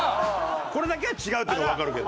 これだけは違うっていうのわかるけど。